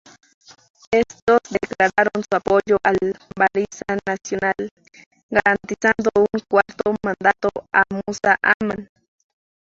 Estos declararon su apoyo al Barisan Nasional, garantizando un cuarto mandato a Musa Aman.